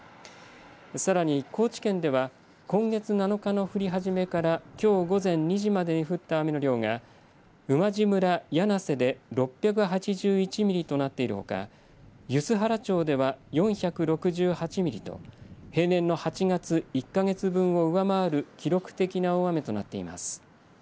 さらに、高知県では今月７日の降り始めからきょう午前２時までに降った雨の量が馬路村魚梁瀬で６８１ミリとなっているほか梼原町では４６８ミリと平年の８月１か月分を上回る記録的な大雨となっています。